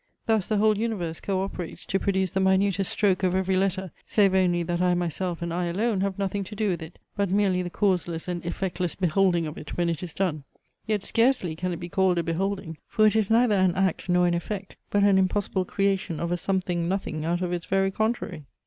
Thus the whole universe co operates to produce the minutest stroke of every letter, save only that I myself, and I alone, have nothing to do with it, but merely the causeless and effectless beholding of it when it is done. Yet scarcely can it be called a beholding; for it is neither an act nor an effect; but an impossible creation of a something nothing out of its very contrary!